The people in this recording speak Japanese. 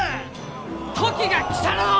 時が来たらのう！